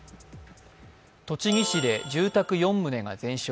栃木市で住宅４棟が全焼。